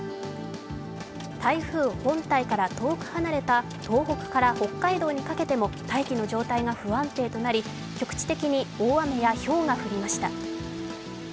台風本体から遠く離れた東北から北海道にかけても大気の状態が不安定となり局地的に大雨やひょうが降りました。